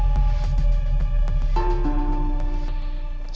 apa yang kamu inginkan